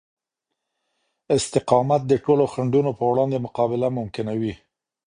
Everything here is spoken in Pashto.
استقامت د ټولو خنډونو په وړاندې مقابله ممکنوي.